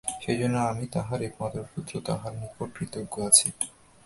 সেজন্য আমি তাঁহার একমাত্র পুত্র তাঁহার নিকট কৃতজ্ঞ আছি।